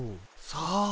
さあ。